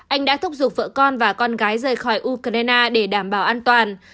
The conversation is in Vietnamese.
anh đã thúc giục vợ con và con gái rời khỏi ukraine để đảm bảo an toàn